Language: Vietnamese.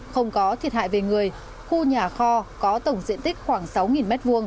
không có thiệt hại về người khu nhà kho có tổng diện tích khoảng sáu m hai